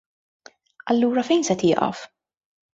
Allura fejn se tieqaf?